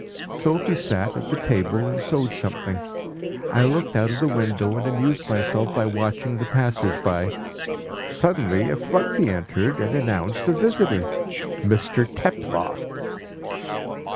"Sophie sat at the table and sewed something. I looked out of the window and amused myself by watching the passers by. Suddenly a flunkey entered and announced a visitor 'Mr Teploff.'